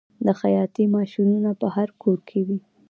د خیاطۍ ماشینونه په هر کور کې وي